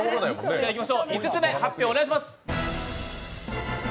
５つ目、発表お願いします。